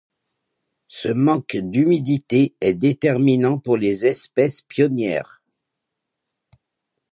Ce manque d’humidité est déterminant pour les espèces pionnières.